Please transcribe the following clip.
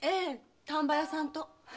丹波屋さんと。